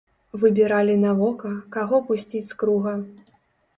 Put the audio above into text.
Выбіралі на вока, каго пусціць з круга.